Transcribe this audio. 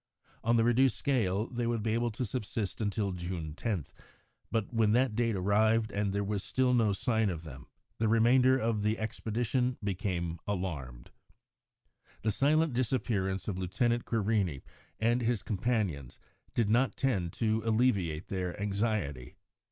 On the reduced scale they would be able to subsist until June 10, but when that date arrived and still there was no sign of them, the remainder of the expedition became alarmed. The silent disappearance of Lieutenant Querini and his companions did not tend to alleviate their anxiety.